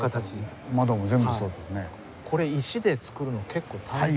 これ石でつくるの結構大変。